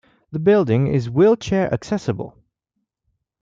The building is wheelchair accessible.